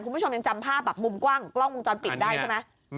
คุณผู้ชมยังจำภาพแบบมุมกว้างกล้องวงจรปิดได้ใช่ไหม